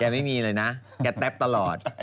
แกไม่มีเลยนะ๊ะแบบตลอด